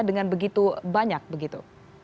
dengan begitu banyak begitu